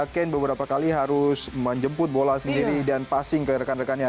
kane beberapa kali harus menjemput bola sendiri dan passing ke rekan rekannya